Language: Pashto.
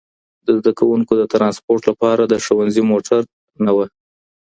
د زده کوونکو د ترانسپورت لپاره د ښوونځي موټر نه وه.